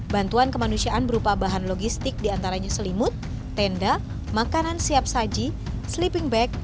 bantuan kemanusiaan berupa bahan logistik diantaranya selimut tenda makanan siap saji sleeping bag